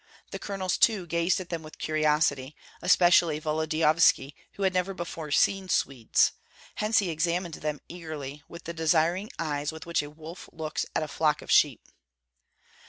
The colonels too gazed at them with curiosity, especially Volodyovski, who had never before seen Swedes; hence he examined them eagerly with the desiring eyes with which a wolf looks at a flock of sheep.